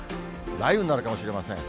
雷雨になるかもしれません。